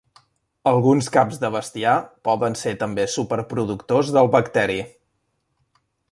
Alguns caps de bestiar poden ser també "superproductors" del bacteri.